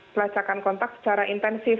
pelacakan kontak secara intensif